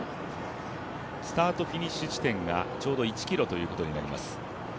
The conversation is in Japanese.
スタートフィニッシュ地点がちょうど１ｋｍということになります。